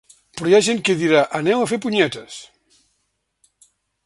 Però hi ha gent que dirà ‘Aneu a fer punyetes!’.